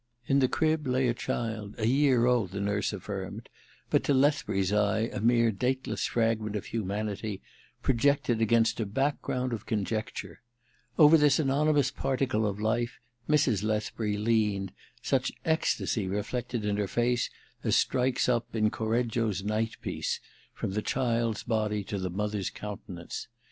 In the crib lay a child, a year old, the ' J n THE MISSION OF JANE 171 nurse affirmed, but to Lethbury*s eye a mere dateless fragment of humanity projected against a background of conjecture. Over this anony mous particle of life Mrs. Lethbury leaned, such ecstasy reflected in her face as strikes up, in Corrcggio's Night piece, from the child's body to the mother's countenance.